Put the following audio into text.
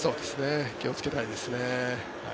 気をつけたいですね。